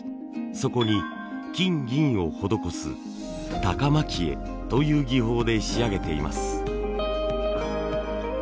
そこに金銀を施す高蒔絵という技法で仕上げています。